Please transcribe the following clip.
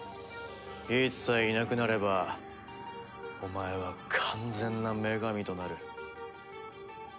ギーツさえいなくなればお前は完全な女神となる。